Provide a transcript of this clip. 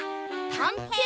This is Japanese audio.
たんていよ。